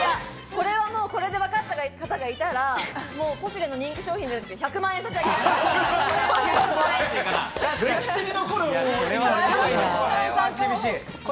これで分かった方がいたら、ポシュレの人気商品じゃなくて１００万円差し上げたい。